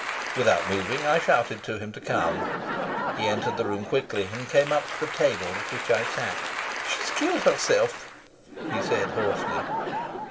Without moving, I shouted to him to come. He entered the room quickly, and came up to the table at which I sat. "She's killed herself," he said hoarsely.